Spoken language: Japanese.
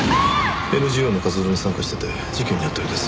ＮＧＯの活動に参加していて事件に遭ったようです。